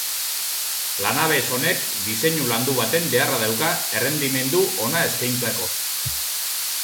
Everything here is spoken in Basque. Lanabes honek diseinu landu baten beharra dauka errendimendu ona eskaintzeko.